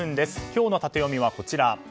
今日のタテヨミはこちら。